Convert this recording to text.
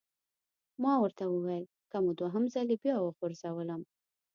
ما ورته وویل: که مو دوهم ځلي بیا وغورځولم!